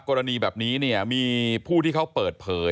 กรณีแบบนี้เนี่ยมีผู้ที่เขาเปิดเผย